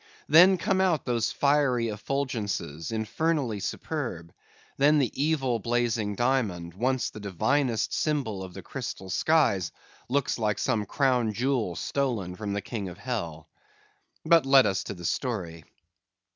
Then come out those fiery effulgences, infernally superb; then the evil blazing diamond, once the divinest symbol of the crystal skies, looks like some crown jewel stolen from the King of Hell. But let us to the story.